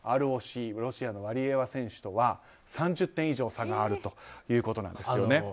ロシアのワリエワ選手とは３０点以上差があるということなんですよね。